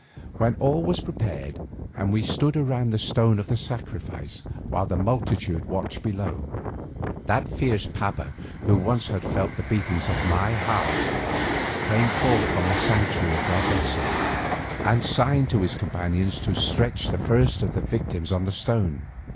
When all was prepared, and we stood around the stone of sacrifice while the multitude watched below, that fierce paba who once had felt the beatings of my heart, came forth from the sanctuary of the god Quetzal and signed to his companions to stretch the first of the victims on the stone.